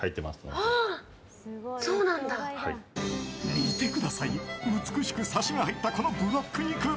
見てください、美しくサシが入ったこのブロック肉。